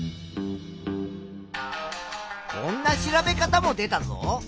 こんな調べ方も出たぞ。